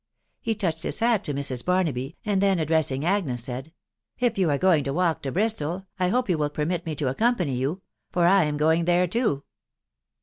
He touched his hat to Mrs. Barnaby, and then addressing Agnes, said, " If you are going to walk to Bristol, I hope you will permit me to accompany you, .... for I am going there too."